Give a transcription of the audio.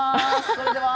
それでは。